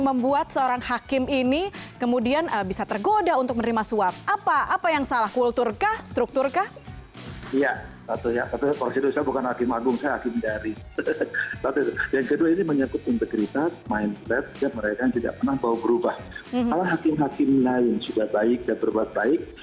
setiap mereka tidak pernah bau berubah ala hakim hakim lain sudah baik dan berbuat baik